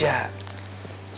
sama sama sama kita juga kan